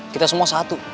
kita semua satu